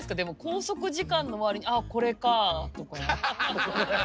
拘束時間の割にああこれかとか。